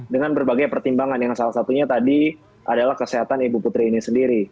dengan berbagai pertimbangan yang salah satunya tadi adalah kesehatan ibu putri ini sendiri